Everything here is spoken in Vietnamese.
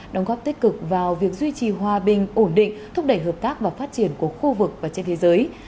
đóng góp tích cực vào việc duy trì hòa bình ổn định thúc đẩy hợp tác và phát triển của khu vực và trên thế giới